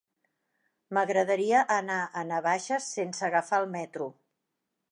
M'agradaria anar a Navaixes sense agafar el metro.